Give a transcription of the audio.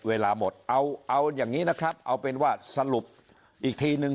เวลาหมดเอาอย่างนี้นะครับเอาเป็นว่าสรุปอีกทีนึง